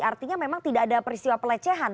artinya memang tidak ada peristiwa pelecehan